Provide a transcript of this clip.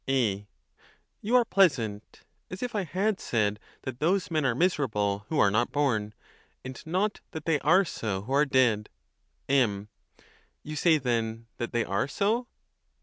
A. You are pleasant: as if I had said that those men are miserable who are not born, and not that they are so who are dead. M. You say, then, that they are so?